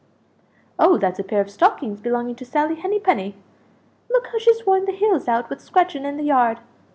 "Oh, that's a pair of stockings belonging to Sally Henny penny look how she's worn the heels out with scratching in the yard!